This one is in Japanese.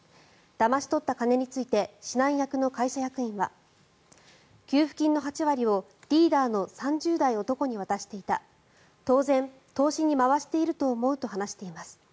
だまし取った金について指南役の会社役員は給付金の８割をリーダーの３０代男に渡していた当然、投資に回していると思うと話しています。